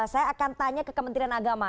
saya akan tanya ke kementerian agama